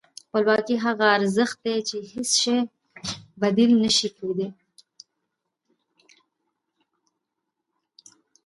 خپلواکي هغه ارزښت دی چې هېڅ شی یې بدیل نه شي کېدای.